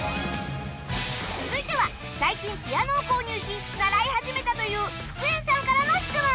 続いては最近ピアノを購入し習い始めたという福圓さんからの質問